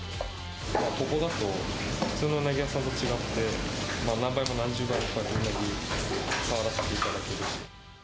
ここだと普通のうなぎ屋さんと違って、何倍も何十倍もウナギ触らせていただけるし。